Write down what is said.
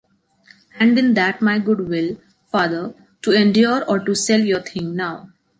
And in that my good will, father, to endure or to sell your thing now.